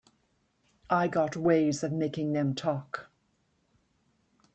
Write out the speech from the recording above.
I got ways of making them talk.